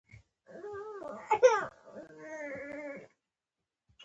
آیا مرکزي حکومت هم مالیه نه اخلي؟